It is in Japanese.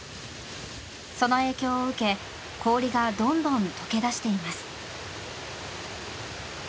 その影響を受け氷がどんどん解け出しています。